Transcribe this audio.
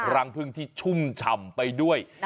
รังพึ่งที่ชุ่มฉ่ำไปด้วย